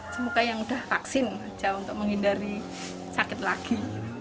semoga yang udah vaksin aja untuk menghindari sakit lagi